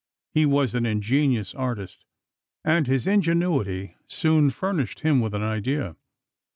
He was an ingenious artist; and his ingenuity soon furnished him with an idea.